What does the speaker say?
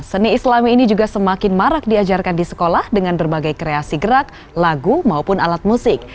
seni islami ini juga semakin marak diajarkan di sekolah dengan berbagai kreasi gerak lagu maupun alat musik